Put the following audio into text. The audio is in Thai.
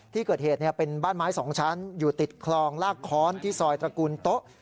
ที่เกิดเหตุเป็นบ้านไม้๒ชั้นอยู่ติดคลองลากค้อนที่ซอยตระกูลโต๊ะ